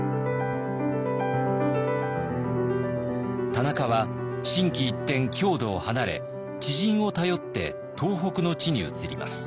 田中は心機一転郷土を離れ知人を頼って東北の地に移ります。